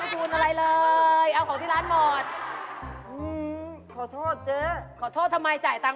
เสื้อผักมันอย่าง